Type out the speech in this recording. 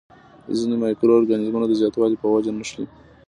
ځینې مایکرو ارګانیزمونه د زیاتوالي په وجه نښلي.